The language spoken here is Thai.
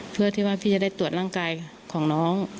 เพื่อที่ว่าพี่จะได้ตรวจร่างกายของน้อง